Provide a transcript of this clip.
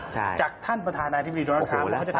จากท่านประธานาธิบดีโดนทราบเขาจะทำอะไรบ้าง